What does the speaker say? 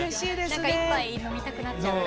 何か１杯飲みたくなっちゃった。